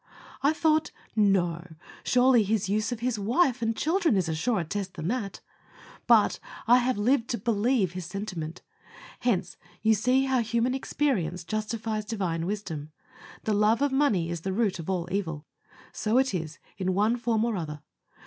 I thought, no, surely his use of his wife and children is a surer test than that; but I have lived to believe his sentiment. Hence, you see how human experience justifies Divine wisdom "the love of money is the root of all evil". So it is, in one form or other.